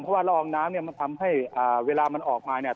เพราะว่าละอองน้ำเนี่ยมันทำให้เวลามันออกมาเนี่ย